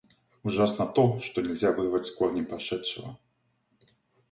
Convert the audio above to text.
Ужасно то, что нельзя вырвать с корнем прошедшего.